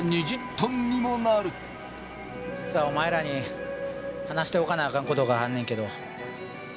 実はお前らに話しておかなあかんことがあんねんけど。